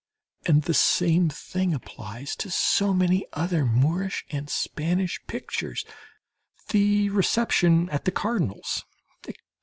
And the same thing applies to so many other Moorish and Spanish pictures, "The Reception at the Cardinal's, etc."